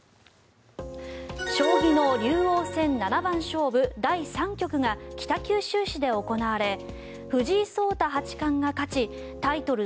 将棋の竜王戦七番勝負第３局が北九州市で行われ藤井聡太八冠が勝ちタイトル